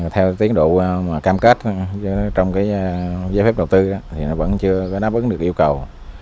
theo tiến độ cam kết trong giấy phép đầu tư thì vẫn chưa có đáp ứng được yêu cầu